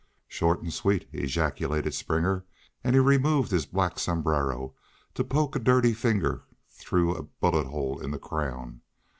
"Short an' sweet!" ejaculated Springer, and he removed his black sombrero to poke a dirty forefinger through a buffet hole in the crown.